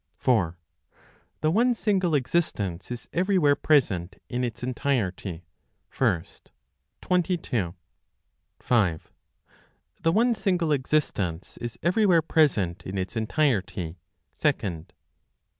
The One Single Existence is everywhere Present in its Entirety, First, 22. 5. The One Single Existence is everywhere Present in its Entirety, Second, 23.